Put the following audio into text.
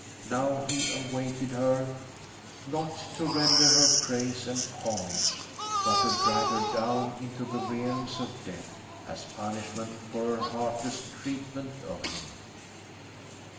Now he awaited her not to render her praise and homage, but to drag her down into the realms of death, as punishment for her heartless treatment of him.